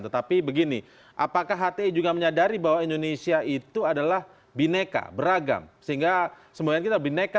kita bisa menunjukkan bagaimana syariat itu bisa mengatur pluralitas itu dengan sebaik baiknya